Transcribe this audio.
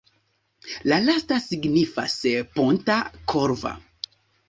La lasta signifas ponta-korva.